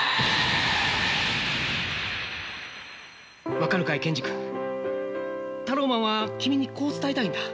分かるかい健二君タローマンは君にこう伝えたいんだ。